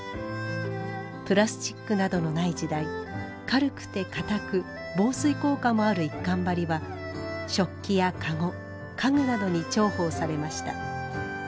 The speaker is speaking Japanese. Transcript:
プラスチックなどのない時代軽くて硬く防水効果もある一閑張は食器やカゴ家具などに重宝されました。